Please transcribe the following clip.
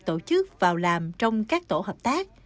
tổ chức vào làm trong các tổ hợp tác